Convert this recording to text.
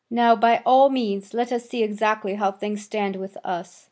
Now by all means let us see exactly how things stand with us.